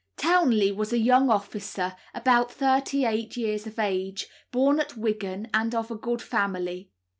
Townley was a young officer about thirty eight years of age, born at Wigan, and of a good family.